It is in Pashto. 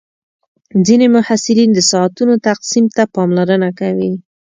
ځینې محصلین د ساعتونو تقسیم ته پاملرنه کوي.